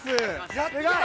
◆やったあ！